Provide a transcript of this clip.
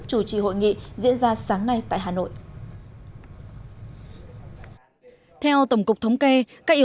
chủ trì hội nghị diễn ra sáng nay tại hà nội